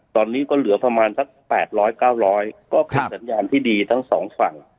ตอนนี้ก็เหลือประมาณสักแปดร้อยเก้าร้อยก็คือสัญญาณที่ดีทั้งสองฝั่ง